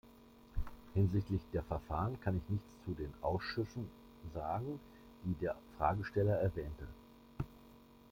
Hinsichtlich der Verfahren kann ich nichts zu den Ausschüssen sagen, die der Fragesteller erwähnte.